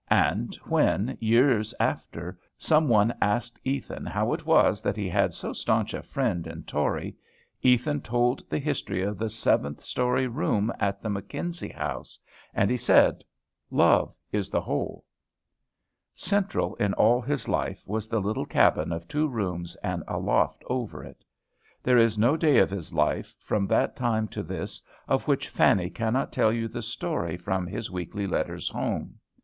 And when, years after, some one asked Ethan how it was that he had so stanch a friend in Torrey, Ethan told the history of the seventh story room at the McKenzie House, and he said, "Love is the whole." Central in all his life was the little cabin of two rooms and a loft over it. There is no day of his life, from that time to this, of which Fanny cannot tell you the story from his weekly letters home.